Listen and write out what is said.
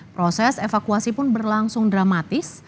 proses evakuasi pun berlangsung dramatis